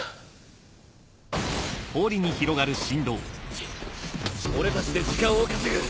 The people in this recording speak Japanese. チッ俺たちで時間を稼ぐ。